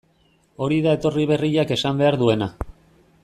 Hori da etorri berriak esan behar duena.